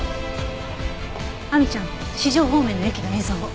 亜美ちゃん四条方面の駅の映像を。